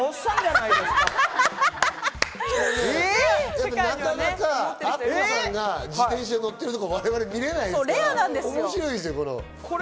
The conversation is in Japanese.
なかなかアッコさんが自転車に乗ってるの我々見られないですから、面白いですよ、これ。